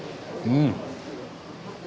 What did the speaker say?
うん！